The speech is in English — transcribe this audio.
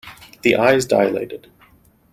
The eyes dilated.